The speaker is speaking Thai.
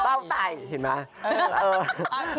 เต่าไต้เห็นไหม